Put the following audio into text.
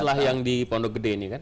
itulah yang di pondok gede ini kan